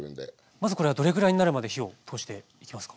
まずこれはどれぐらいになるまで火を通していきますか？